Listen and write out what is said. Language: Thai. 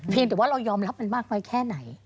แต่ว่าเรายอมรับมันมากน้อยแค่ไหน